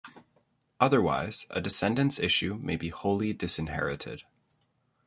Otherwise, a decedent's issue may be wholly disinherited.